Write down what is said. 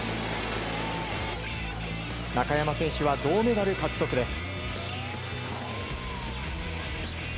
中山選手は銅メダル獲得です。